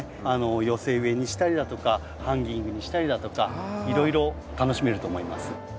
寄せ植えにしたりだとかハンギングにしたりだとかいろいろ楽しめると思います。